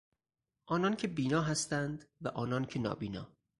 آنان که بینا هستند و آنان که نابینا